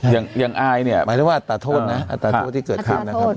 อย่างอายเนี่ยหมายถึงว่าอัตราโทษนะอัตราโทษที่เกิดขึ้นนะครับ